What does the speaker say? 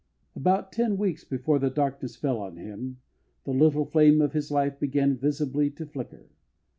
About ten weeks before the darkness fell on him the little flame of his life began visibly to flicker.